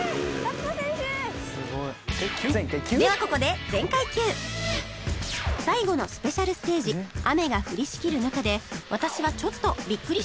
ではここで最後のスペシャルステージ雨が降りしきる中で私はちょっとビックリした事があったんです